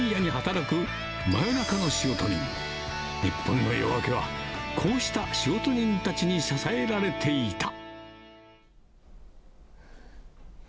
日本の夜明けはこうした仕事人たちに支えられていた。